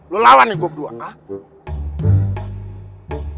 lu lawan nih gua berdua ha